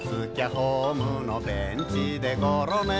ホームのベンチでゴロ寝」